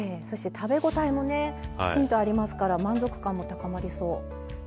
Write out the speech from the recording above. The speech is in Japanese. そして食べ応えもねきちんとありますから満足感も高まりそう。